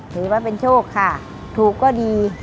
ถือว่าเป็นโชคค่ะถูกก็ดี